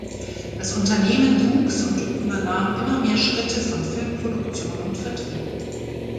Das Unternehmen wuchs und übernahm immer mehr Schritte von Filmproduktion und -vertrieb.